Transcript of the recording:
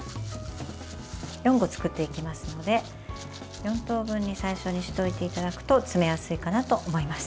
４個作っていきますので４等分に最初にしておいていただくと詰めやすいかなと思います。